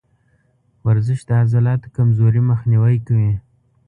ورزش د عضلاتو کمزوري مخنیوی کوي.